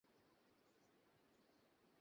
তার মৃত্যুর জন্য অপেক্ষা কর।